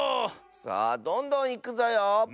さあどんどんいくぞよ！